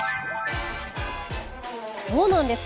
そうなんです。